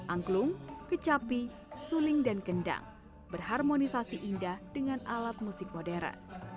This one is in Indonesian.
angklung kecapi suling dan kendang berharmonisasi indah dengan alat musik modern